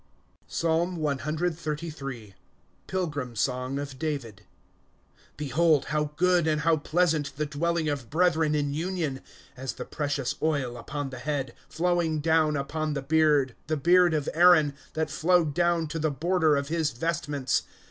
PSALM cxxxiir. Pilgrim Song of David. ^ Behold, how good, and how pleasant, The dweUing of brethren in union! ^ As the precious oil upon the head, Mowing down upon the beard, The beard of Aaron, That flowed down to the border of his vestments